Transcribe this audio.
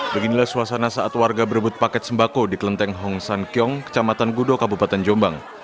beginilah suasana saat warga berebut paket sembako di kelenteng hong san kiong kecamatan gudo kabupaten jombang